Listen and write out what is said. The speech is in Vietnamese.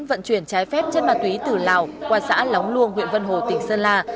vận chuyển trái phép chân mà túy từ lào qua xã lóng luông huyện vân hồ tỉnh sơn la